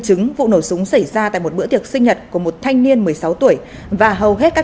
chứng vụ nổ súng xảy ra tại một bữa tiệc sinh nhật của một thanh niên một mươi sáu tuổi và hầu hết các